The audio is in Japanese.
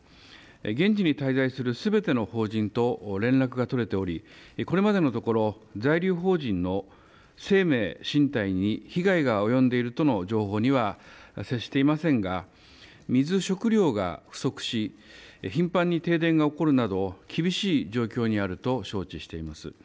現地に滞在するすべての邦人と連絡が取れておりこれまでのところ在留邦人の生命身体に被害が及んでいるとの情報には接していませんが水、食料が不足し頻繁に停電が起こるなど厳しい状況にあると承知しています。